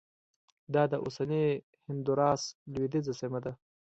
دا د اوسني هندوراس لوېدیځه سیمه ده